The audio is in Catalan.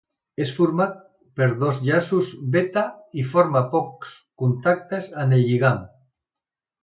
És format per dos llaços beta i forma pocs contactes amb el lligand.